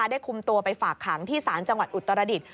ได้คุมตัวไปฝากขังที่ศาลจังหวัดอุตรดิษฐ